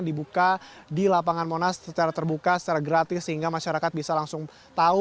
dibuka di lapangan monas secara terbuka secara gratis sehingga masyarakat bisa langsung tahu